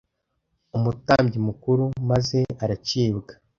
umutambyi mukuru maze aracibwa